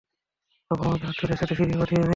বাবা আমাকে আত্মীয়দের সাথে সিরিয়া পাঠিয়ে দেয়।